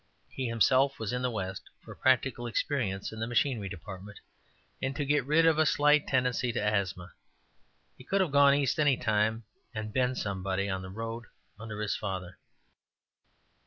He himself was in the West for practical experience in the machinery department, and to get rid of a slight tendency to asthma. He could have gone East any time and "been somebody" on the road under his father.